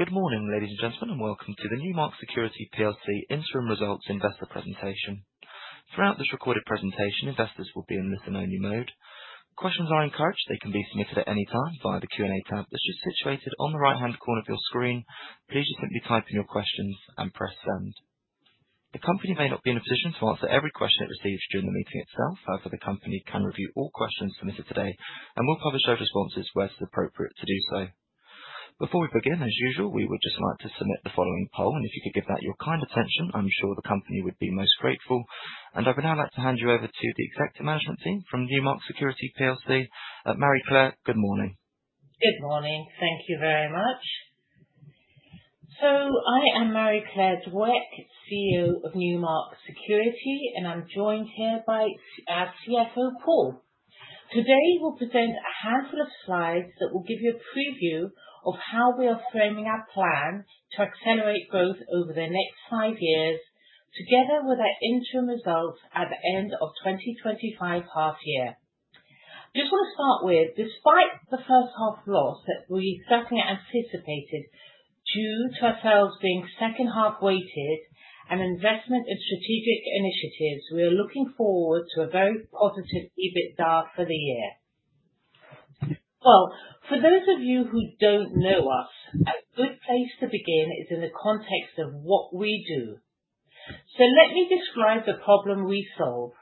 Good morning ladies and gentlemen and welcome to the Newmark Security plc Interim Results Investor Presentation. Throughout this recorded presentation, investors will be in listen only mode. Questions are encouraged. They can be submitted at any time via the Q&A tab that is situated on the right-hand corner of your screen. Please just simply type in your questions and press send. The company may not be in a position to answer every question it receives during the meeting itself. However, the company can review all questions submitted today and will publish those responses where it is appropriate to do so. Before we begin, as usual, we would just like to submit the following poll, and if you could give that your kind attention, I'm sure the company would be most grateful. I would now like to hand you over to the Executive Management team from Newmark Security plc. Marie-Claire. Good morning. Good morning. Thank you very much. So I am Marie-Claire Dwek, CEO of Newmark Security, and I'm joined here by CFO Paul Wong. Today we'll present a handful of slides that will give you a preview of how we are framing our plan to accelerate growth over the next five years together with our interim results at the end of 2025. Half year, I just want to start with despite the first half loss that we certainly anticipated due to ourselves being second half weighted and investment in strategic initiatives, we are looking forward to a very positive EBITDA for the year. Well, for those of you who don't know us, a good place to begin is in the context of what we do. So let me describe the problem we solve.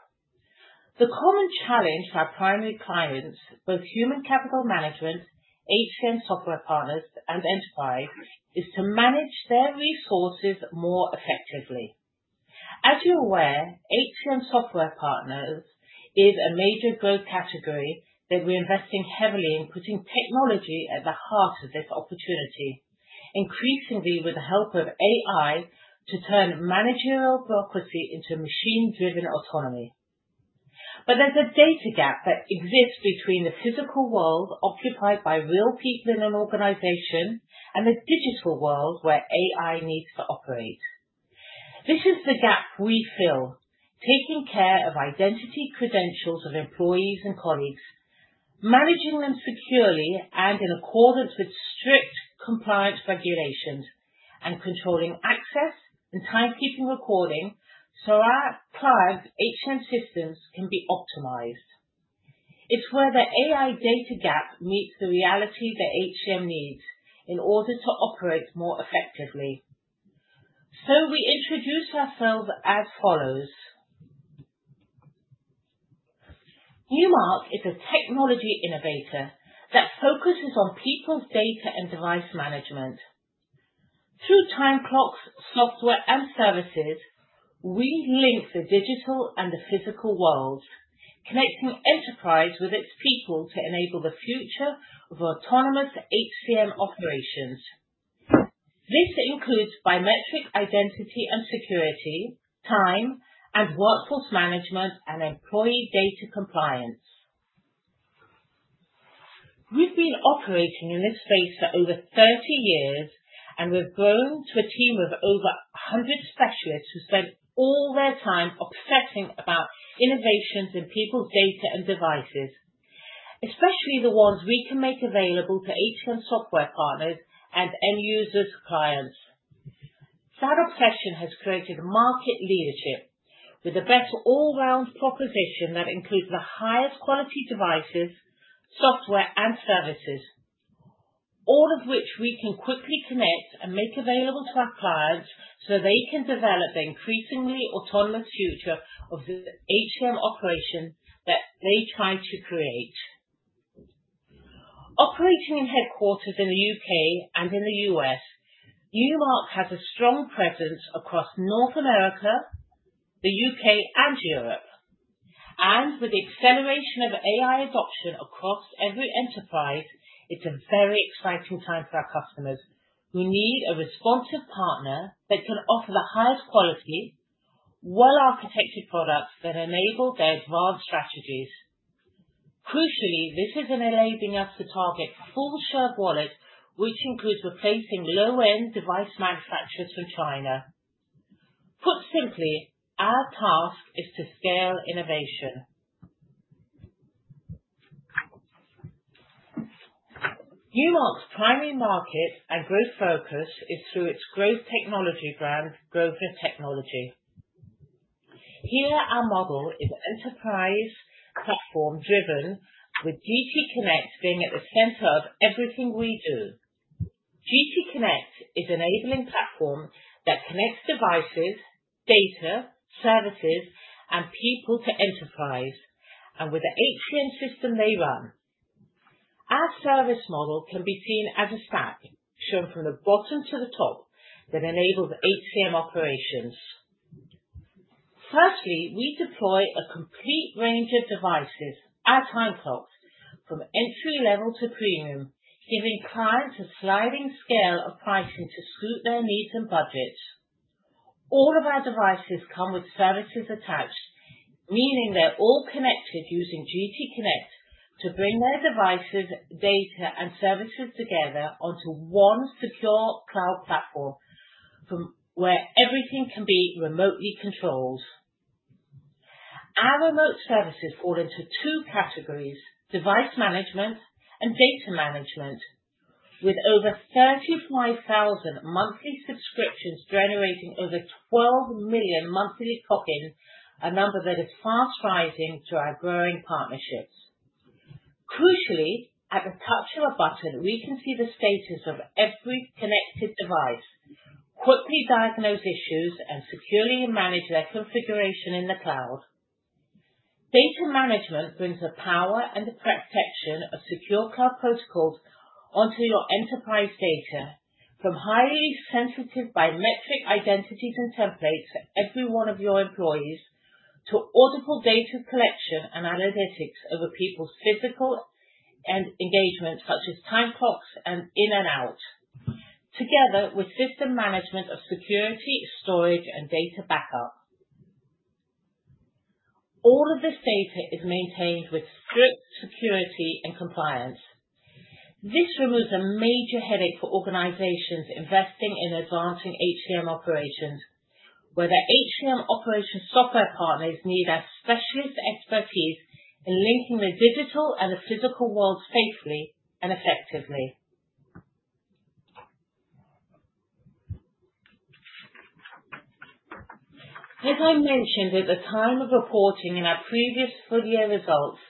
The common challenge for our primary clients, both human capital management, HCM software partners and enterprise, is to manage their resources more effectively. As you're aware, HCM software partners is a major growth category that we're investing heavily in putting technology at the heart of this opportunity, increasingly with the help of AI, to turn managerial bureaucracy into machine-driven autonomy. But there's a data gap that exists between the physical world occupied by real people in an organization and the digital world where AI needs to operate. This is the gap we fill, taking care of identity, credentials of employees and colleagues, managing them securely and in accordance with strict compliance regulations, and controlling access and timekeeping recording so our clients HCM systems can be optimized. It's where the AI data gap meets the reality that HCM needs in order to operate more effectively. So we introduce ourselves as follows. Newmark is a technology innovator that focuses on people's data and device management through time clocks, software and services. We link the digital and the physical worlds, connecting enterprise with its people to enable the future of autonomous HCM operations. This includes biometric identity and security, time and workforce management and employee data compliance. We've been operating in this space for over 30 years and we've grown to a team of over 100 specialists who spend all their time obsessing about innovations in people's data and devices, especially the ones we can make available to our software partners and end users clients. Sustained obsession has created market leadership with a better all-around proposition that includes the highest quality devices, software and services, all of which we can quickly connect and make available to our clients so they can develop the increasingly autonomous future of the HCM operation that they try to create. Operating in headquarters in the U.K. and in the U.S., Newmark has a strong presence across North America, the U.K. and Europe and with the acceleration of AI adoption across every enterprise, it's a very exciting time for our customers who need a responsive partner that can offer the highest quality, well-architected products that enable their advanced strategies. Crucially, this is enabling us to target full share of wallet which includes replacing low-end device manufacturers from China. Put simply, our task is to scale innovation. Newmark's primary market and growth focus is through its growth technology brand Grover Technology. Here our model is enterprise platform driven, with GT Connect being at the center of everything we do. GT Connect is an enabling platform that connects devices, data services and people to the enterprise and with the ERP system they run. Our service model can be seen as a stack shown from the bottom to the top that enables HCM operations. Firstly, we deploy a complete range of devices, time clocks from entry level to premium, giving clients a sliding scale of pricing to suit their needs and budget. All of our devices come with services attached, meaning they're all connected using GT Connect to bring their devices, data and services together onto one secure cloud platform from where everything can be remotely controlled. Our remote services fall into two categories device management and data management. With over 35,000 monthly subscriptions generating over 12 million monthly clock ins, a number that is fast rising through our growing partnerships. Crucially, at the touch of a button we can see the status of every connected device, quickly diagnose issues and securely manage their configuration in the cloud. Data management brings the power and the protection of secure cloud protocols onto your enterprise data from highly sensitive biometric identities and templates for every one of your employees to audible data collection and analytics over people's physical engagements such as time clocks and in and out, together with system management of security, storage and data backup. All of this data is maintained with strict security and compliance. This removes a major headache for organizations investing in advancing HCM operations. Whether HCM operations software partners need a specialist expertise in linking the digital and the physical world safely and effectively. As I mentioned at the time of reporting in our previous full-year results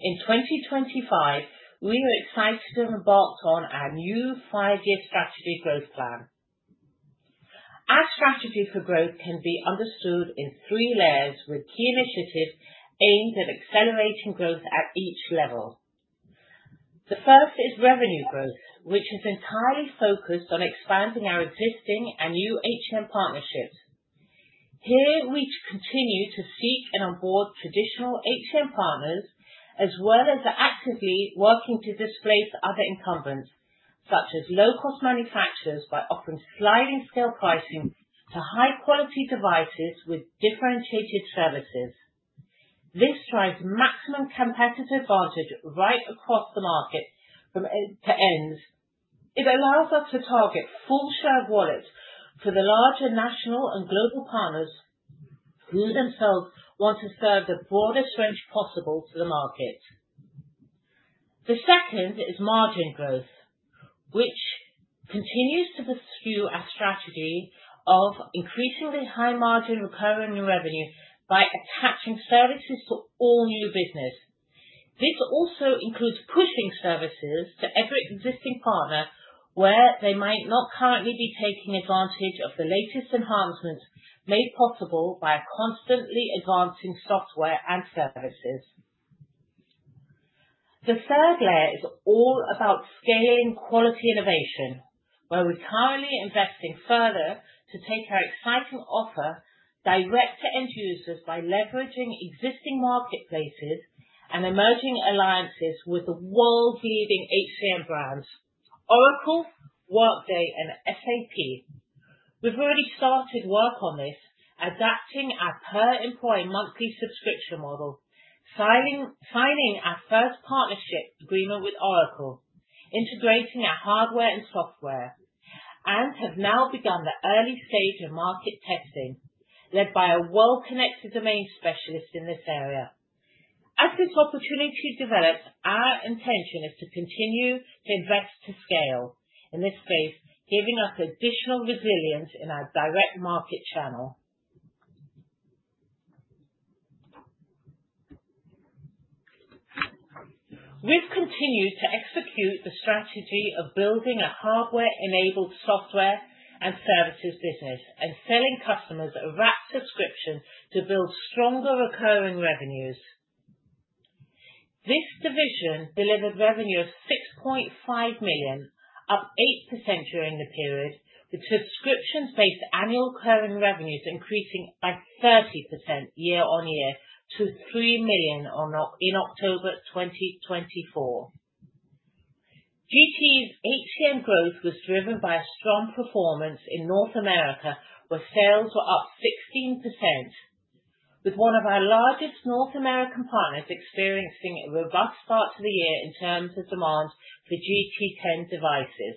in 2025, we were excited and embarked on our new five-year strategy growth plan. Our strategy for growth can be understood in three layers with key initiatives aimed at accelerating growth at each level. The first is revenue growth, which is entirely focused on expanding our existing and new HCM partnerships. Here we continue to seek and onboard traditional HCM partners as well as actively working to displace other incumbents such as low-cost manufacturers by offering sliding scale pricing to high-quality devices with differentiated services. This drives maximum competitive advantage right across the market from end to end. It allows us to target full shared wallets for the larger national and global partners who themselves want to serve the broadest range possible to the market. The second is margin growth, which continues to pursue a strategy of increasingly high margin recurring revenue by attaching services to all new business. This also includes pushing services to every existing partner where they might not currently be taking advantage of the latest enhancements made possible by constantly advancing software and services. The third layer is all about scaling quality innovation, where we're currently investing further to take our exciting offer direct to end users by leveraging existing marketplaces and emerging alliances with the world leading HCM brands Oracle, Workday and SAP. We've already started work on this, adapting our per employee monthly subscription model, signing our first partnership agreement with Oracle, integrating our hardware and software, and have now begun the early stage of market testing led by a well connected domain specialist in this area. As this opportunity develops, our intention is to continue to invest to scale in this space, giving us additional resilience in our direct market channel. We've continued to execute the strategy of building a hardware enabled software and services business and selling customers a RAP subscription to build stronger recurring revenues. This division delivered revenue of £6.5 million, up 8% during the period with subscriptions based annual recurring revenues increasing by 3.30% year on year to £3 million in October 2024. GT's HCM growth was driven by a strong performance in North America where sales were up 16%, with one of our largest North American partners experiencing a robust start to the year in terms of demand for GT10 devices.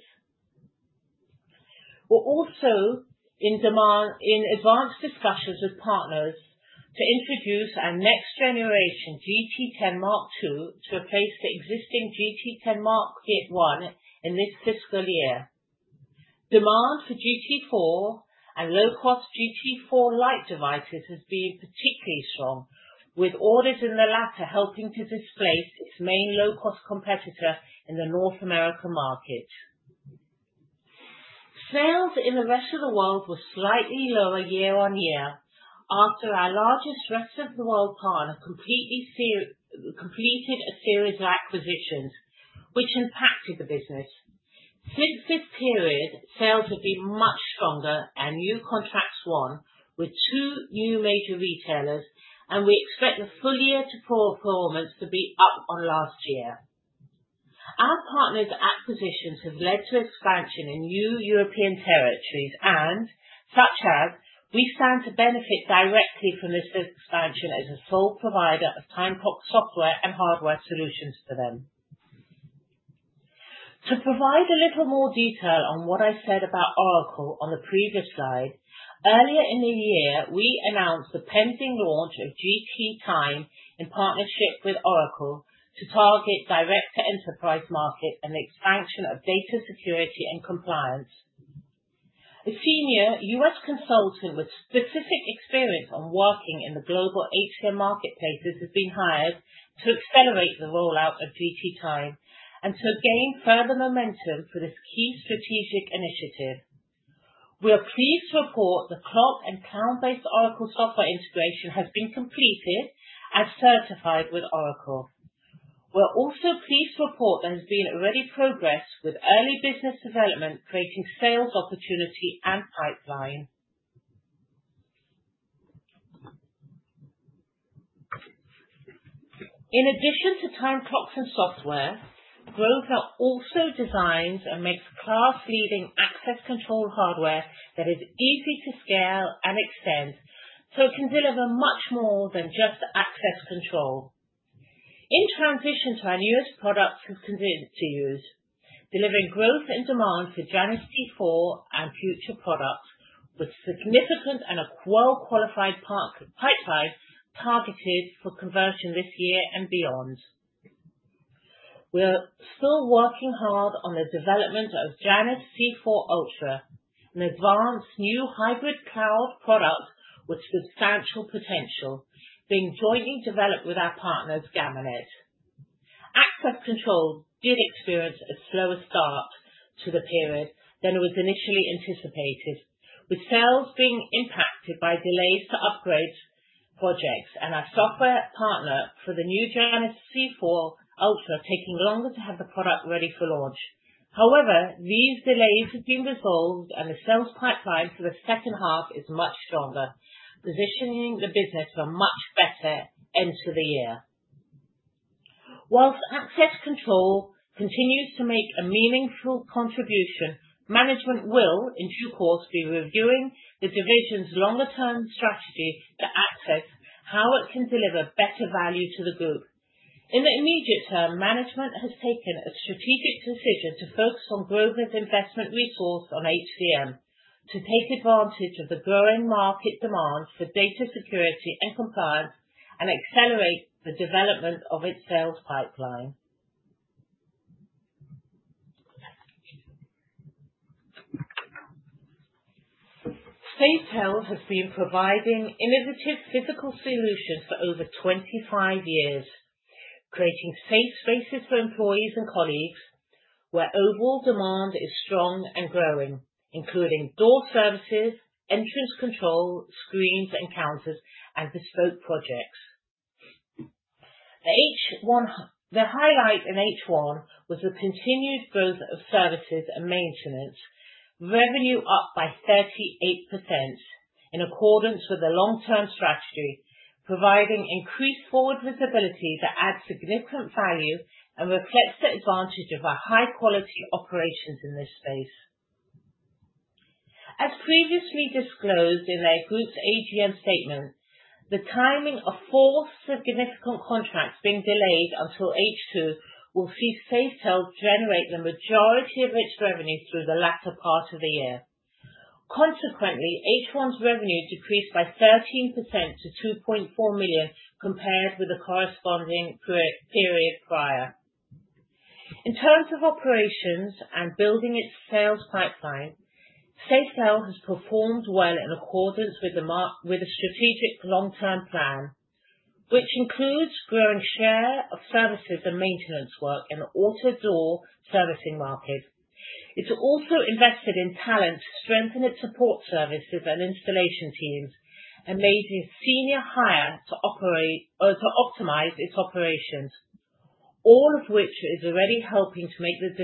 We're also in advanced discussions with partners to introduce our next generation GT10 Mark II to replace the existing GT10 MK1 in this fiscal year. Demand for GT4 and low-cost GT4 Lite devices has been particularly strong with orders in the latter helping to displace its main low-cost competitor in the North American market. Sales in the rest of the world were slightly lower year-on-year after our largest rest of the world partner completed a series of acquisitions which impacted the business. Since this period sales have been much stronger and new contracts won with two new major retailers and we expect the full year pro forma performance to be up on last year. Our partners acquisitions have led to expansion in new European territories and as such we stand to benefit directly from this expansion as a sole provider of time clocks software and hardware solutions for them. To provide a little more detail on what I said about Oracle on the previous slide, earlier in the year we announced the pending launch of GT Time in partnership with Oracle to target direct to enterprise market and expansion of data security and compliance. A senior U.S. consultant with specific experience on working in the global ATM marketplaces has been hired to accelerate the rollout of GT Time and to gain further momentum for this key strategic initiative. We are pleased to report the clock and cloud based Oracle software integration has been completed certified with Oracle. We're also pleased to report there has been already progress with early business development, creating sales opportunity and pipeline. In addition to time clocks and software, Grover also designs and makes class leading access control hardware that is easy to scale and extend so it can deliver much more than just access control in transition to our newest products delivering growth in demand for Janus D4 and future products with significant and well qualified pipeline targeted for conversion this year and beyond. We are still working hard on the development of Janus C4 Ultra, an advanced new hybrid cloud product with substantial potential being jointly developed with our partners. Gamanet Access Control did experience a slower start to the period than was initially anticipated with sales being impacted by delays to upgrade projects and our software partner for the new Janus C4 Ultra taking longer to have the product ready for launch. However, these delays have been resolved and the sales pipeline for the second half is much stronger, positioning the business for a much better end to the year. While Access Control continues to make a meaningful contribution, Management will in due course be reviewing the Division's longer term strategy to assess how it can deliver better value to the group. In the immediate term, Management has taken a strategic decision to focus Grosvenor's investment resources on HCM to take advantage of the growing market demand for data security and compliance and accelerate the development of its sales pipeline. Safetell has been providing innovative physical solutions for over 25 years, creating safe spaces for employees and colleagues where overall demand is strong and growing, including door services, entrance control screens and counters and bespoke projects. The highlight in H1 was the continued growth of services and maintenance revenue up by 38% in accordance with the long term strategy, providing increased forward visibility that adds significant value and reflects the advantage of our high quality operations in this space. As previously disclosed in their group's AGM statement, the timing of four significant contracts being delayed until H2 will see Safetell generate the majority of its revenue through the latter part of the year. Consequently, H1's revenue decreased by 13% to $2.4 million compared with the corresponding period prior. In terms of operations and building its sales pipeline, Safetell has performed well in accordance with a strategic long term plan which includes growing share of services and maintenance work and auto door servicing market. It's also invested in talent to strengthen its support services and installation teams. Amazing senior hire to optimize its operations, all of which is already helping to make the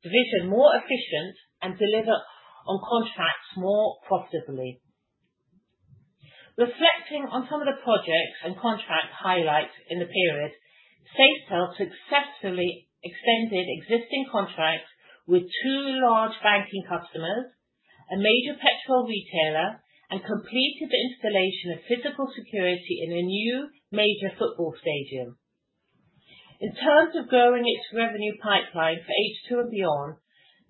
division more efficient and deliver on contracts more profitably. Reflecting on some of the projects and contract highlights in the period, Safetell successfully extended existing contracts with two large banking customers, a major gasoline retailer and completed the installation of physical security in a new major football stadium. In terms of growing its revenue pipeline for H2 and beyond,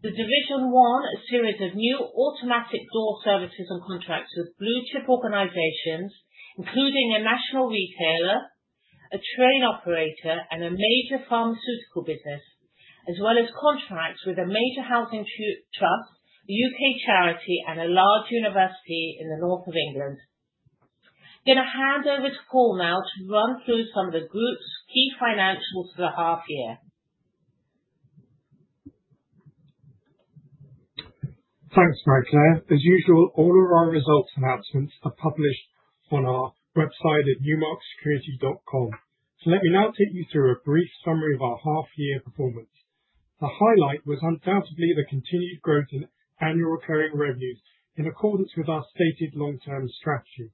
the division won a series of new automatic door services and contracts with blue chip organizations including a national retailer, a train operator and a major pharmaceutical business, as well as contracts with a major housing trust, U.K. charity and a large university in the north of England. I'm going to hand over to Paul now to run through some of the group's key financials for the half year. Thanks, Marie-Claire. As usual, all of our results announcements are published on our website at newmarksecurity.com, so let me now take you through a brief summary of our half-year performance. The highlight was undoubtedly the continued growth in annual recurring revenues in accordance with our stated long-term strategy.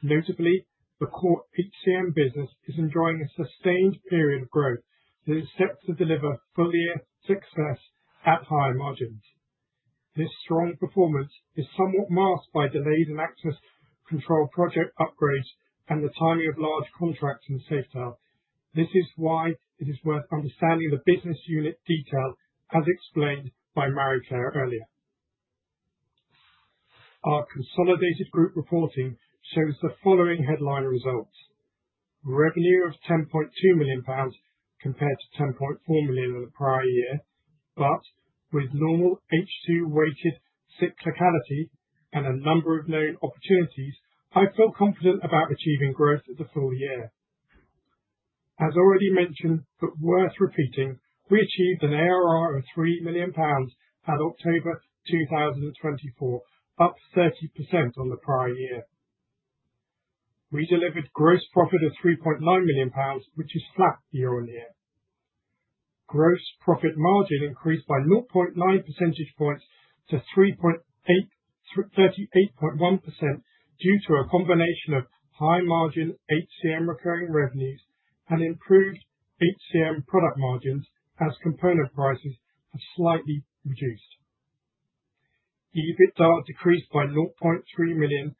Notably, the core HCM business is enjoying a sustained period of growth that is set to deliver full-year success at higher margins. This strong performance is somewhat masked by delayed access control project upgrades and the timing of large contracts in Safetell. This is why it is worth understanding the business unit detail. As explained by Marie-Claire earlier, our Consolidated Group reporting shows the following headline revenue of 10.2 million pounds compared to 10.4 million in the prior year but with normal H2 weighted cyclicality and a number of known opportunities, I feel confident about achieving growth for the full year as already mentioned, but worth repeating we achieved an ARR of 3 million pounds at October 2024, up 30% on the prior year. We delivered gross profit of 3.9 million pounds which is flat year on year. Gross profit margin increased by 0.9 percentage points to 38.1% due to a combination of high margin HCM recurring revenues and improved HCM product margins as component prices have slightly reduced. The EBITDA decreased by 0.3 million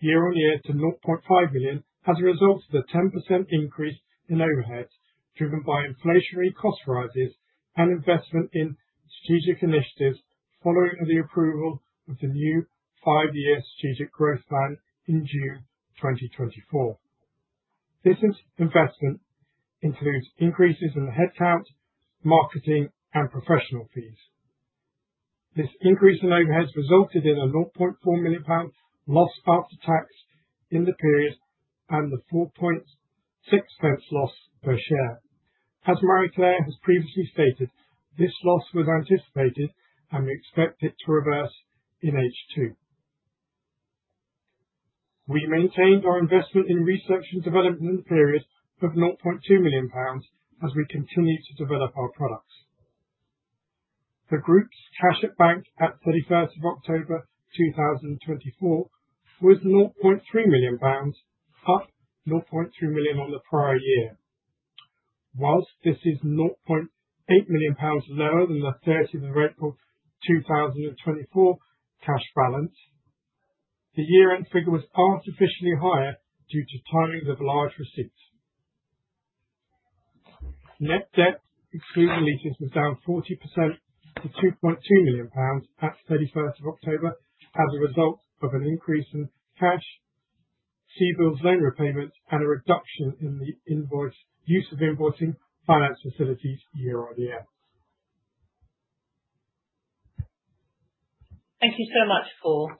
year on year to 0.5 million as a result of the 10% increase in overheads driven by inflationary cost rises and investment in strategic initiatives following the approval of the new five year strategic growth plan in June 2024. This investment includes increases in the headcount, marketing and professional fees. This increase in overheads resulted in a 0.4 million pound loss after tax in the period and the 0.046 loss per share. As Marie-Claire has previously stated, this loss was anticipated and we expect it to reverse in H2. We maintained our investment in research and development in the period of 0.2 million pounds as we continue to develop our products. The Group's cash at bank at 31st of October 2024 was 0.3 million pounds up 0.3 million on the prior year. Whilst this is 0.8 million pounds lower than the 30th of April 2024 cash balance, the year-end figure was artificially higher due to timings of large receipts. Net debt excluding leases was down 40% to 2.2 million pounds at 31st of October as a result of an increase in cash CBILS, loan repayment and a reduction in the use of invoice finance facilities year on year. Thank you so much, Paul.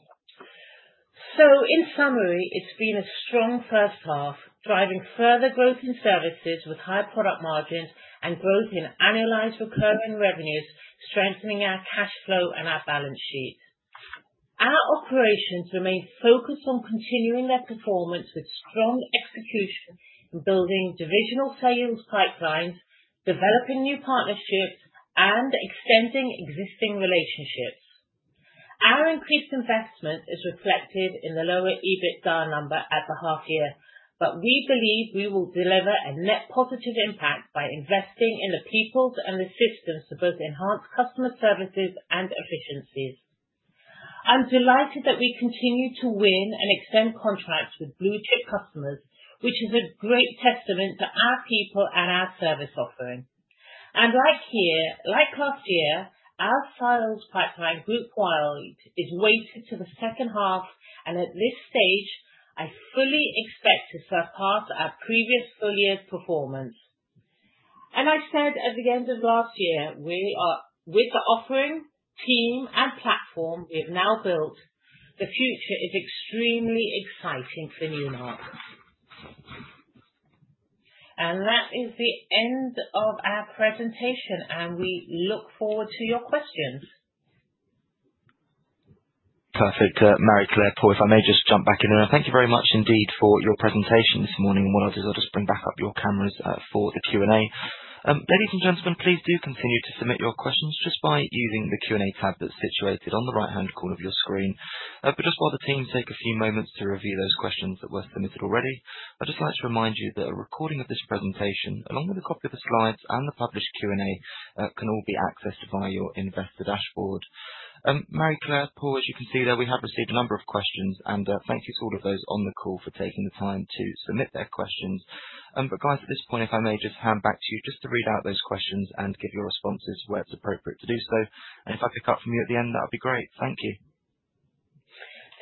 So in summary, it's been a strong first half driving further growth in services with high product margins and growth in annualized recurring revenues, strengthening our cash flow and our balance sheet. Our operations remain focused on continuing their performance with strong execution in building divisional sales pipelines, developing new partnerships and extending existing relationships. Our increased investment is reflected in the lower EBITDA number at the half year, but we believe we will deliver a net positive impact by investing in the people and the systems to both enhance customer services and efficiencies. I'm delighted that we continue to win and extend contracts with blue chip customers which is a great testament to our people and our service offering. Like here, like last year, our sales pipeline group-wide is weighted to the second half, and at this stage I fully expect to surpass our previous full year's performance. I said at the end of last year with the operating team and platform we have now built, the future is extremely exciting for Newmark. That is the end of our presentation, and we look forward to your questions. Perfect. Marie-Claire, Paul, if I may just jump back in and thank you very much indeed for your presentation this morning, and what I'll do is I'll just bring back up your cameras for the Q&A. Ladies and gentlemen, please do continue to submit your questions just by using the QA tab that's situated on the right hand corner of your screen, but just while the team take a few moments to review those questions that were submitted already. I'd just like to remind you that a recording of this presentation, along with a copy of the slides and the published Q&A can all be accessed via your investor dashboard. Marie-Claire, Paul, as you can see there, we have received a number of questions and thank you to all of those on the call for taking the time to submit their questions. But, guys, at this point, if I may, just hand back to you just to read out those questions and give your responses where it's appropriate to do so. If I pick up from you at the end, that would be great. Thank you.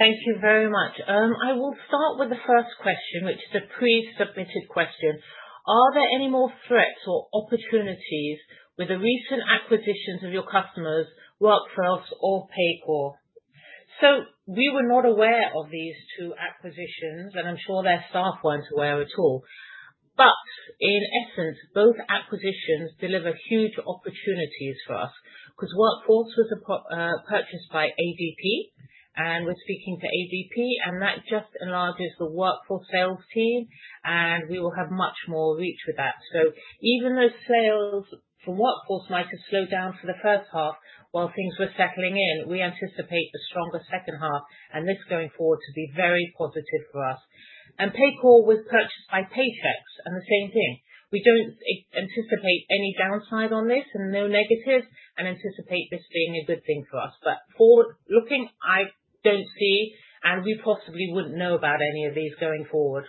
Thank you very much. I will start with the first question which is a pre-submitted question. Are there any more threats or opportunities with the recent acquisitions of your customers Workforce or Paycor? So we were not aware of these two acquisitions and I'm sure their staff weren't aware at all. But in essence both acquisitions deliver huge opportunities for us because Workforce was purchased by ADP and we're speaking to ADP and that just enlarges the workforce sales team and we will have much more reach with that. So even those sales for Workforce Software slowed down for the first half while things were settling in. We anticipate a stronger second half and this going forward to be very positive for us. And Paycor was purchased by Paychex and the same thing. We don't anticipate any downside on this and no negatives and anticipate this being a good thing for us. But, forward-looking, I don't see and we possibly wouldn't know about any of these going forward.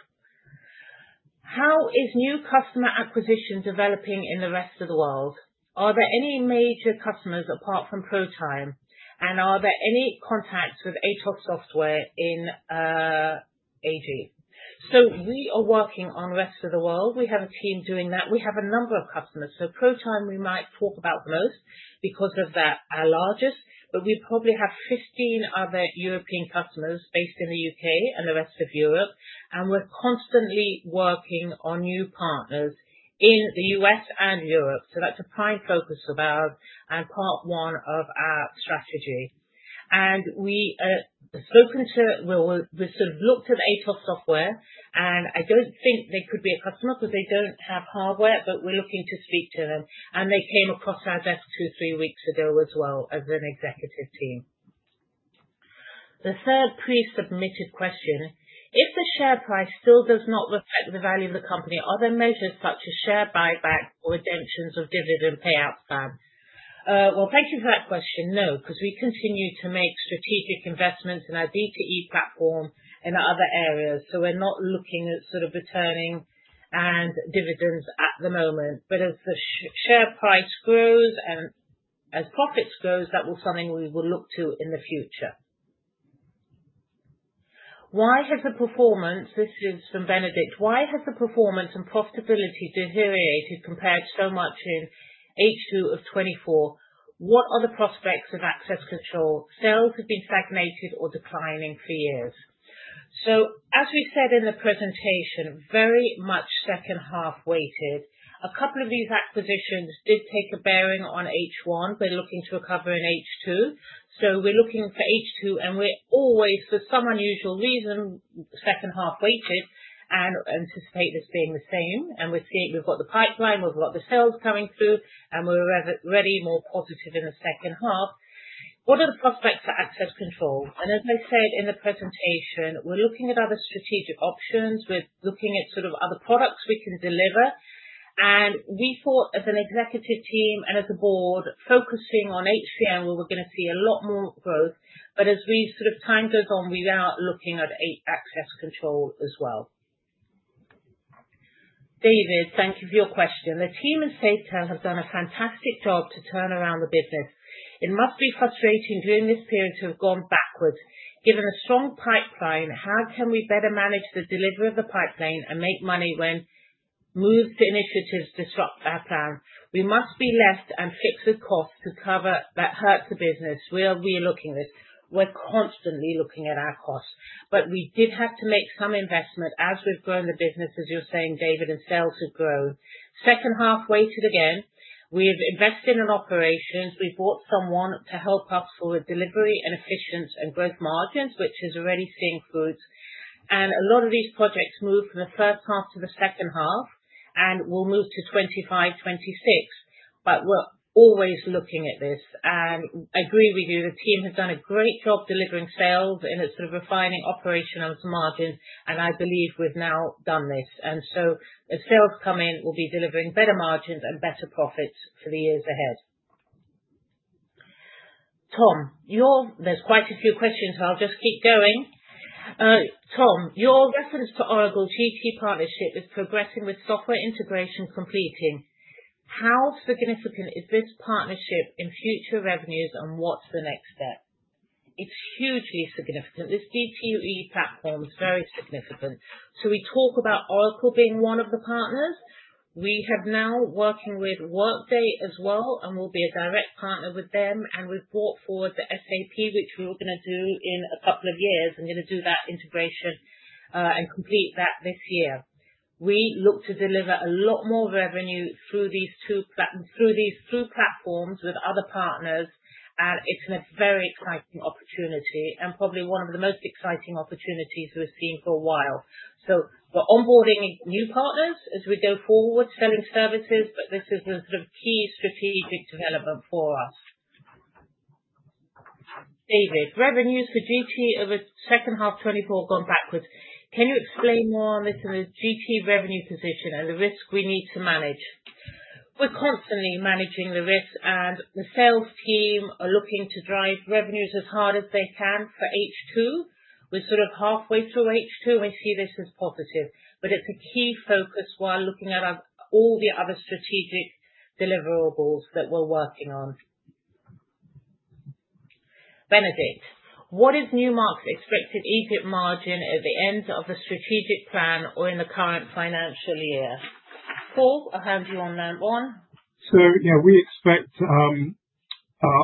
How is new customer acquisition developing in the rest of the world? Are there any major customers apart from Protime and are there any contacts with ATOSS Software AG? So, we are working on the rest of the world. We have a team doing that. We have a number of customers. So, Protime we might talk about the most because of that, our largest, but we probably have 15 other European customers based in the U.K. and the rest of Europe and we're constantly working on new partners in the U.S. and Europe. So that's a prime focus of ours and part one of our strategy and we've spoken to, we sort of looked at ATOSS Software and I don't think they could be a customer because they don't have hardware. But we're looking to speak to them and they came across our desk two, three weeks ago as well as an executive team. The third pre-submitted question, if the share price still does not reflect the value of the company, are there measures such as share buyback or redemptions of dividend payout scheme? Well, thank you for that question. No, because we continue to make strategic investments in our DTE platform in other areas. So we're not looking at sort of returning any dividends at the moment, but as the share price grows and as profits grow, that was something we will look to in the future. Why has the performance. This is from Benedict. Why has the performance and profitability deteriorated compared so much in H2 of 2024? What are the prospects of Access Control? Sales have been stagnated or declining for years. So as we said in the presentation, very much second half weighted. A couple of these acquisitions did take a bearing on H1. They're looking to recover in H2. So we're looking for H2 and we're always, for some unusual reason, second half weighted and anticipate this being the same. And we're seeing we've got the pipeline, we've got the sales coming through and we're already more positive in the second half. What are the prospects for Access Control? And as I said in the presentation, we're looking at other strategic options, we're looking at sort of other products we can deliver. We thought as an executive team and as a board focusing on HCM, where we're going to see a lot more growth. As time goes on, we are looking at Access Control as well. David, thank you for your question. The team at Safetell have done a fantastic job to turn around the business. It must be frustrating during this period to have gone backwards given a strong pipeline. How can we better manage the delivery of the pipeline and make money when moves to initiatives disrupt our plan? We must be left and fixed with costs to cover. That hurts the business. We are relooking this. We're constantly looking at our costs. We did have to make some investment. As we've grown the business, as you're saying, David, and sales have grown. Second half weighted. Again, we've invested in operations. We bought someone to help us for delivery and efficiency and growth margins, which is already bearing fruit and a lot of these projects move from the first half to the second half and will move to 2025, 2026. But always looking at this and agree with you, the team has done a great job delivering sales in a sort of refining operational margin and I believe we've now done this. And so as sales come in, we'll be delivering better margins and better profits for the years ahead. Tom, there's quite a few questions. I'll just keep going. Tom, your reference to Oracle GT partnership is progressing. With software integration completed, how significant is this partnership in future revenues and what's the next step? It's hugely significant. This GT platform is very significant. So we talk about Oracle being one of the partners we have now working with Workday as well and we'll be a direct partner with them. And we've brought forward the SAP which we're going to do in a couple of years and going to do that integration and complete that this year. We look to deliver a lot more revenue through these two platforms with other partners and it's a very exciting opportunity and probably one of the most exciting opportunities we've seen for a while. So we're onboarding new partners as we go forward selling services, but this is a sort of key strategic development for us. David, revenues for GT over second half 2024 have gone backwards. Can you explain more on this in the GP revenue position and the risk we need to manage? We're constantly managing the risk and the sales team are looking to drive revenues as hard as they can for H2. We're sort of halfway through H2 and we see this as positive, but it's a key focus while looking at all the other strategic deliverables that we're working on. Benedict, what is Newmark's expected EBIT margin at the end of the strategic plan or in the current financial year? Paul, I heard you on ramp one. So yeah, we expect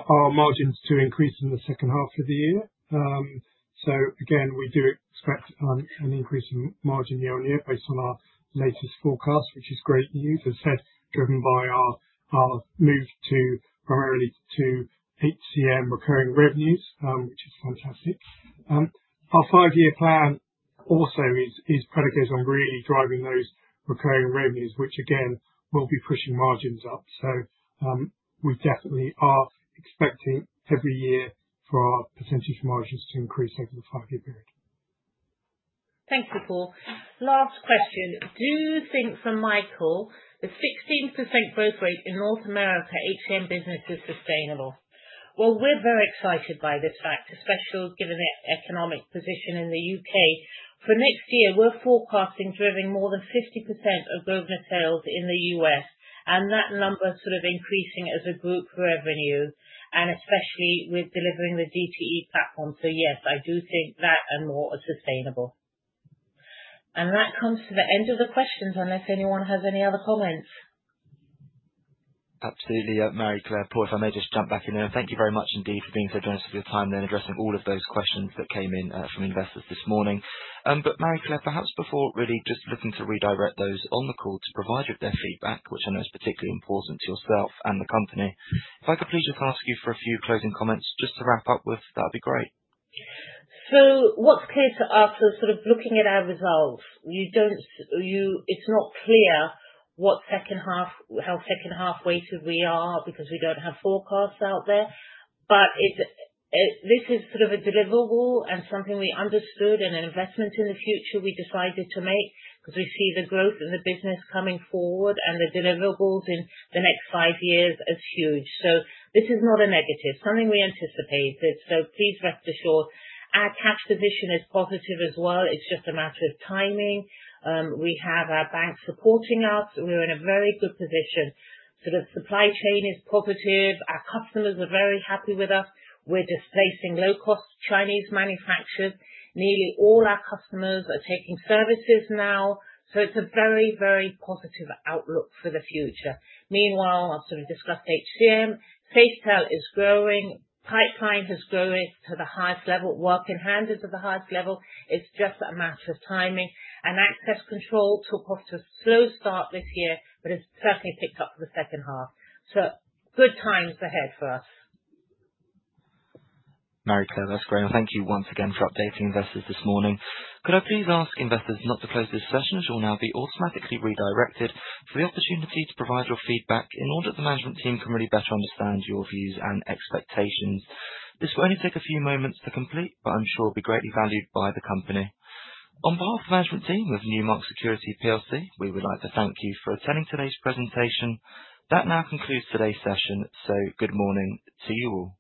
our margins to increase in the second half of the year. So again we do expect an increase in margin year on year based on our latest forecast, which is great news. As said, driven by our move to primarily HCM recurring revenues, which is fantastic. Our five-year plan also is predicated on really driving those recurring revenues which again will be pushing margins up. So we definitely are expecting every year for our percentage margins to increase over the five-year period. Thank you. Paul, last question. Do you think for Michael, the 16% growth rate in North America HCM business is sustainable? Well, we're very excited by this fact, especially given the economic position in the U.K. for next year. We're forecasting driving more than 50% of Grosvenor sales in the U.S. and that number sort of increasing as a group revenue and especially with delivering the GT platform. So yes, I do think that. And more sustainable. And that comes to the end of the questions, unless anyone has any other comments. Absolutely. Marie-Claire, Paul, if I may just jump back in there. Thank you very much indeed for being so generous for your time then addressing all of those questions that came in from investors this morning, but Marie-Claire, perhaps before really just looking to redirect those on the call to provide you with their feedback, which I know is particularly important to yourself and the company. If I could please just ask you for a few closing comments just to wrap up with, that'd be great. So what's clear to us is sort of looking at our results. It's not clear what second half, how second-half weighted we are because we don't have forecasts out there. But this is sort of a deliverable and something we understood and an investment in the future we decided to make because we see the growth in the business coming forward and the deliverables in the next five years as huge. So this is not a negative something we anticipated. So please rest assured, our cash position is positive as well. It's just a matter of timing. We have our banks supporting us; we're in a very good position. So the supply chain is positive. Our customers are very happy with us. We're displacing low-cost Chinese manufacturers. Nearly all our customers are taking services now. So it's a very, very positive outlook for the future. Meanwhile, sort of discussed, HCM Safetell is growing. Pipeline has grown to the highest level. Work in hand is at the highest level. It's just a matter of timing, and access control took off to a slow start this year, but it's certainly picked up for the second half, so good times ahead for us. Marie-Claire, that's great and thank you once again for updating investors this morning. Could I please ask investors not to close this session as you will now be automatically redirected for the opportunity to provide your feedback in order the management team can really better understand your views and expectations. This will only take a few moments to complete, but I'm sure will be greatly valued by the company. On behalf of the management team of Newmark Security plc, we would like to thank you for attending today's presentation that now concludes today's session. Good morning to you all.